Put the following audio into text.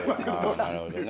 なるほどね。